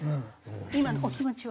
今のお気持ちは？